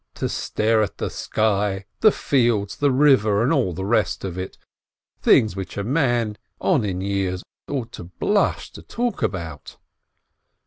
to stare at the sky, the fields, the river, and all the rest of it — things which a man on in years ought to blush to talk about.